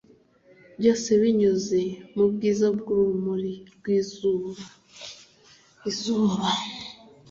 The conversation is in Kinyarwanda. byose binyuze mubwiza bwurumuri rwizuba-izuba;